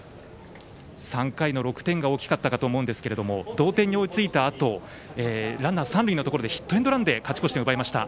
３回の６点が大きかったかと思いますが同点に追いついたあとランナー、三塁のところでヒットエンドランで勝ち越し点を奪いました。